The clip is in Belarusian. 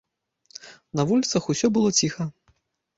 На вуліцах усё было ціха.